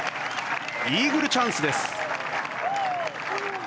イーグルチャンスです。